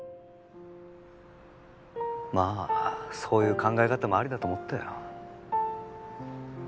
まあそういう考え方もありだと思ったよ